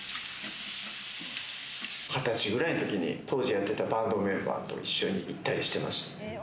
２０歳くらいのときに当時やってたバンドメンバーと一緒に行ったりしてましたね。